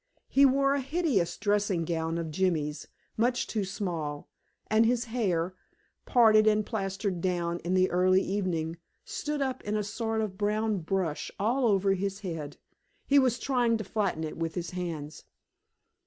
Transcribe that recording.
He wore a hideous dressing gown of Jimmy's, much too small, and his hair, parted and plastered down in the early evening, stood up in a sort of brown brush all over his head. He was trying to flatten it with his hands.